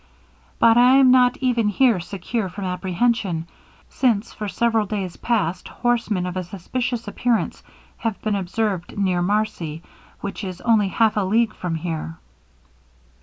But I am not even here secure from apprehension, since for several days past horsemen of a suspicious appearance have been observed near Marcy, which is only half a league from hence.'